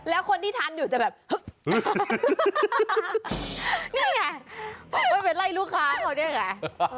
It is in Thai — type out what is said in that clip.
แล้วคนที่ทันอยู่จะแบบเฮ้อนี่ไงเป็นไล่ลูกค้าเขาเนี่ยไง